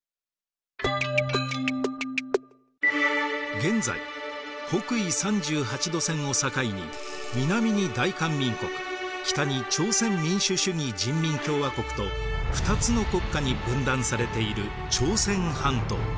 現在北緯３８度線を境に南に大韓民国北に朝鮮民主主義人民共和国と２つの国家に分断されている朝鮮半島。